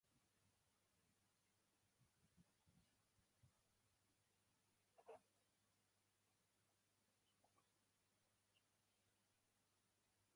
We are committed to promoting a safe environment for all children at the church.